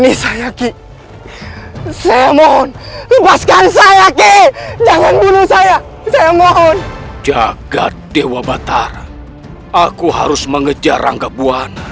ibu bertahan bu